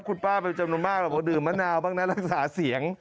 คุณป้าเป็นจำนวนมากแบบว่าดื่มมะนาวบ้างนะรักษาเสียง